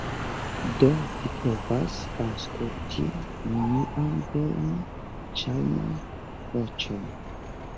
Do vi povas aŭskulti mian belan, ĉarman... voĉon.